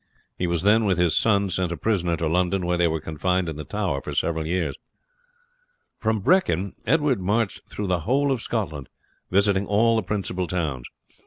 He was then, with his son, sent a prisoner to London, where they were confined in the Tower for several years. From Brechin Edward marched through the whole of Scotland, visiting all the principal towns.